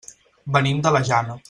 Venim de la Jana.